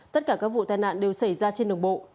tất cả các vụ tai nạn đều xảy ra trên đường bộ